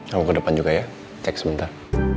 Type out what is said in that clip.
kamu ke depan juga ya cek sebentar